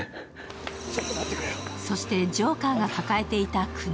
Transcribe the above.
そして、ジョーカーが抱えていた苦悩。